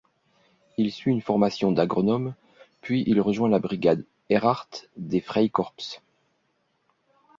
Il suit une formation d'agronome puis il rejoint la brigade Ehrhardt des Freikorps.